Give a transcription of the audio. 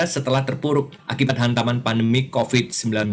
setelah terpuruk akibat hantaman pandemi covid sembilan belas